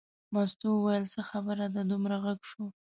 مستو وویل څه خبره ده دومره غږ شو.